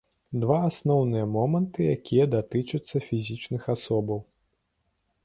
Два асноўныя моманты, якія датычацца фізічных асобаў.